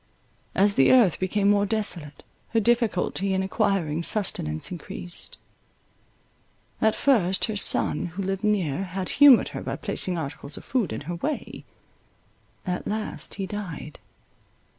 As the earth became more desolate, her difficulty in acquiring sustenance increased; at first, her son, who lived near, had humoured her by placing articles of food in her way: at last he died.